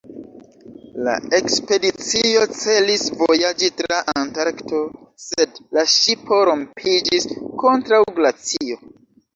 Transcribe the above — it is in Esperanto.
La ekspedicio celis vojaĝi tra Antarkto, sed la ŝipo rompiĝis kontraŭ glacio.